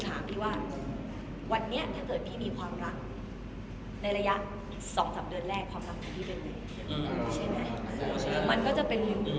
ถ้าถามว่าวันนี้ถ้าเกิดพี่มีความรักในระยะ๒๓เดือนแรกความรักของพี่เป็นไหม